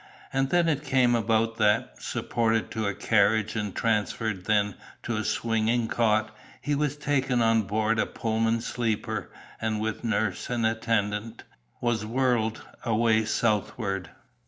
And then it came about that, supported to a carriage and transferred then to a swinging cot, he was taken on board a Pullman sleeper, and, with nurse and attendant, was whirled away southward.